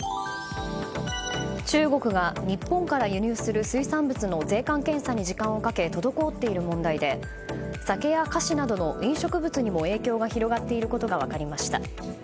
中国が日本から輸入する水産物の税関検査に時間をかけ滞っている問題で酒や菓子などの飲食物にも影響が広がっていることが分かりました。